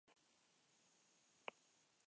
Haren senarra eta semea onik daude.